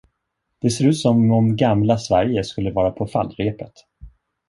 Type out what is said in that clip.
Det ser ut som om gamla Sverige skulle vara på fallrepet!